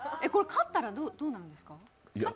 勝ったらどうなるんですか？